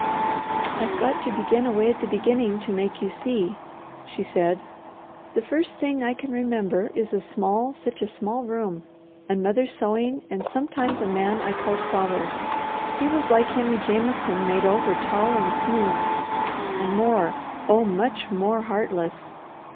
"I've got to begin away at the beginning to make you see," she said. "The first thing I can remember is a small, such a small room, and mother sewing and sometimes a man I called father. He was like Henry Jameson made over tall and smooth, and more, oh, much more heartless!